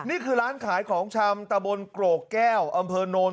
นี่คือร้านขายของชาม